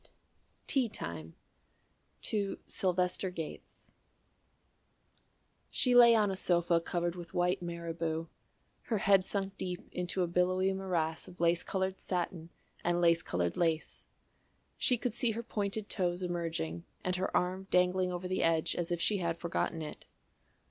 VIII TEA TIME [To SYLVESTER GATES] She lay on a sofa covered with white marabou, her head sunk deep into a billowy morass of lace coloured satin and lace coloured lace. She could see her pointed toes emerging and her arm dangling over the edge as if she had forgotten it.